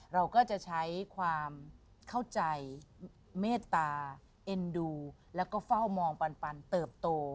เราก็จะใช้ความเข้าใจเมตตาเอ็นดูแล้วก็เฝ้ามองปันเติบโต